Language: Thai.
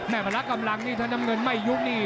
พละกำลังนี่ถ้าน้ำเงินไม่ยุบนี่